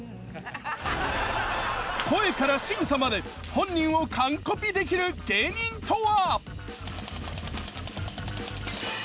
声からしぐさまで本人を完コピできる芸人とは？